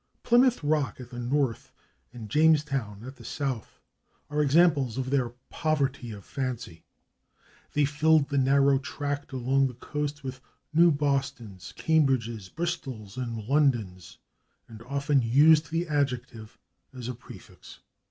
/Plymouth Rock/ at the North and /Jamestown/ at the South are examples of their poverty of fancy; they filled the narrow tract along the coast with new /Bostons/, /Cambridges/, /Bristols/ and /Londons/, and often used the adjective as a prefix.